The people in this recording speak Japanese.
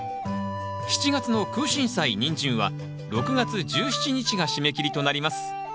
７月のクウシンサイニンジンは６月１７日が締め切りとなります。